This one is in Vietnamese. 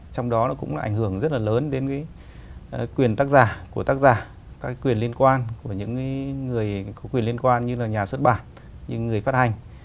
trong đó nó cũng ảnh hưởng rất là lớn đến quyền tác giả của tác giả các quyền liên quan của những người có quyền liên quan như là nhà xuất bản những người phát hành